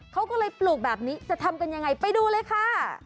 เขาก็เลยปลูกแบบนี้จะทำกันยังไงไปดูเลยค่ะ